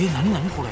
これ。